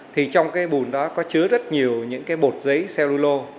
thì trong bùn đó có chứa rất nhiều những bột giấy cellulo